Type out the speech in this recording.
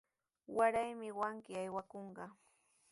Waraymi wawqii aywakunqa.